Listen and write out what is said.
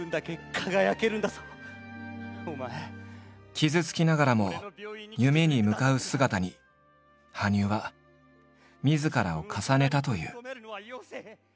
傷つきながらも夢に向かう姿に羽生はみずからを重ねたという。